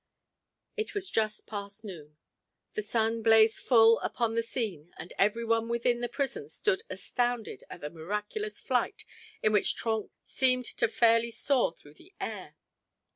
It was just past noon; the sun blazed full upon the scene and every one within the prison stood astounded at the miraculous flight in which Trenck seemed to fairly soar through the air.